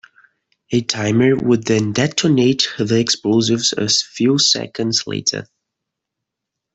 A timer would then detonate the explosives a few seconds later.